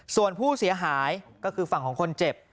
ส่วนผู้เสียหายก็คือฝั่งของคนเจ็บ